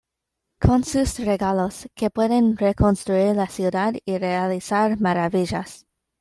Con sus regalos, que pueden reconstruir la ciudad y realizar maravillas.